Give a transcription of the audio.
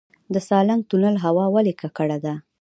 د سالنګ تونل هوا ولې ککړه ده؟